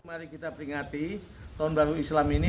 mari kita peringati tahun baru islam ini